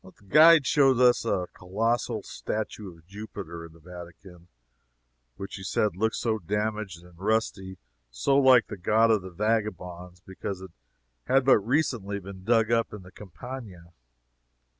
The guide showed us a colossal statue of Jupiter, in the Vatican, which he said looked so damaged and rusty so like the God of the Vagabonds because it had but recently been dug up in the Campagna.